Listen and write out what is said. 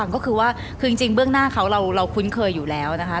ก็คือว่าคือจริงเบื้องหน้าเขาเราคุ้นเคยอยู่แล้วนะคะ